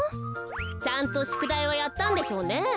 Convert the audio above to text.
ちゃんとしゅくだいはやったんでしょうね。